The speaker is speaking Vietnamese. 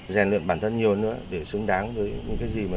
rèn luyện bản thân nhiều nữa để xứng đáng với những cái gì mà